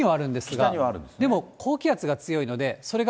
でも高気圧が強いので。